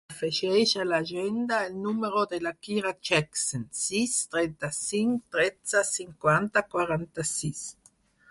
Afegeix a l'agenda el número de la Kira Jackson: sis, trenta-cinc, tretze, cinquanta, quaranta-sis.